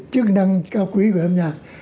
chức năng cao quý của âm nhạc